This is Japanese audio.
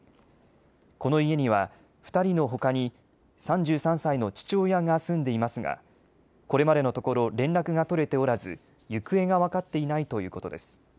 この家には２人のほかに３３歳の父親が住んでいますがこれまでのところ連絡が取れておらず行方が分かっていないということです。